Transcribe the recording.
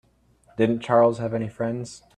Didn't Charles have any friends?